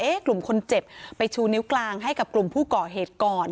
กลุ่มคนเจ็บไปชูนิ้วกลางให้กับกลุ่มผู้ก่อเหตุก่อน